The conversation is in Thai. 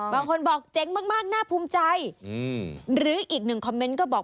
บางคนบอกเจ๋งมากน่าภูมิใจหรืออีกหนึ่งคอมเมนต์ก็บอก